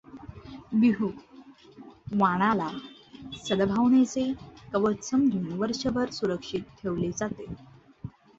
बिहु वाणाला सदभावनेचे कवच समजून वर्षभर सुरक्षित ठेवले जाते.